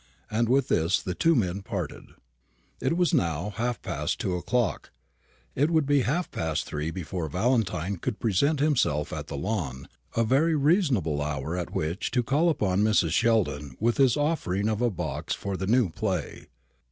And with this the two men parted. It was now half past two o'clock; it would be half past three before Valentine could present himself at the Lawn a very seasonable hour at which to call upon Mrs. Sheldon with his offering of a box for the new play.